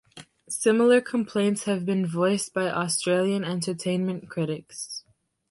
Similar complaints have been voiced by Australian entertainment critics.